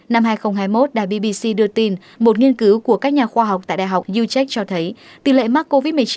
năm hai nghìn hai mươi một dbbc đưa tin một nghiên cứu của các nhà khoa học tại đại học ucheck cho thấy tỷ lệ mắc covid một mươi chín